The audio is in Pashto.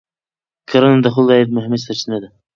کرنه د خلکو د عاید مهمه سرچینه ده